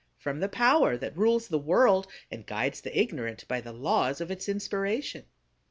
From the power that rules the world, and guides the ignorant by the laws of its inspiration.